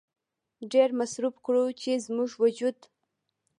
ډېر مصرف کړو چې زموږ وجود